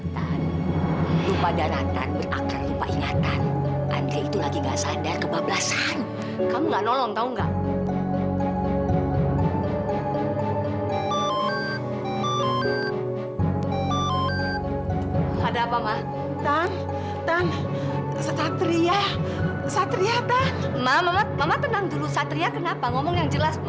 sampai jumpa di video selanjutnya